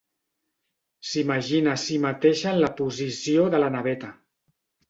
S'imagina a si mateixa en la posició de la Naveta.